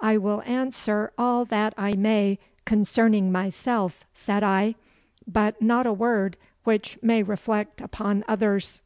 'I will answer all that I may concerning myself,' said I, 'but not a word which may reflect upon others.